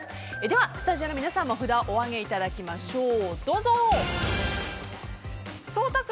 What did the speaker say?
ではスタジオの皆さんも札をお上げいただきましょう。